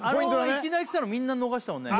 いきなりきたらみんな逃したもんね